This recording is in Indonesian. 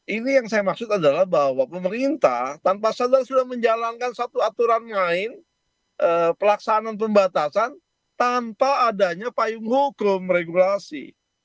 ini yang saya maksud adalah bahwa pemerintah tanpa sadar sudah menjalankan satu aturan main pelaksanaan pembatasan tanpa adanya payung hukum regulasi